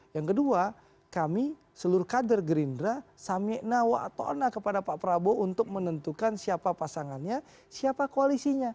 yang kedua kami seluruh kader gerindra samyekna wa atona kepada pak prabowo untuk menentukan siapa pasangannya siapa koalisinya